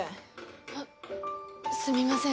あすみません